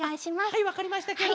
はいわかりましたケロ。